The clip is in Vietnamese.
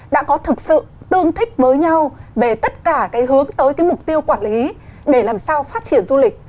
đã có thực sự tương thích với nhau về tất cả cái hướng tới cái mục tiêu quản lý để làm sao phát triển du lịch